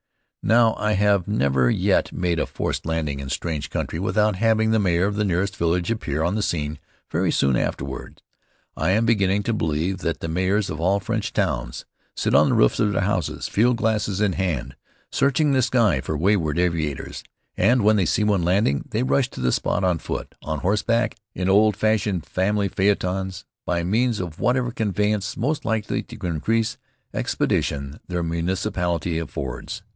Now, I have never yet made a forced landing in strange country without having the mayor of the nearest village appear on the scene very soon afterward. I am beginning to believe that the mayors of all French towns sit on the roofs of their houses, field glasses in hand, searching the sky for wayward aviators, and when they see one landing, they rush to the spot on foot, on horseback, in old fashioned family phaetons, by means of whatever conveyance most likely to increase expedition their municipality affords.